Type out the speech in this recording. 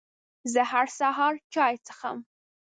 زه هر سهار چای څښم.